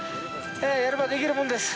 やればできるもんです」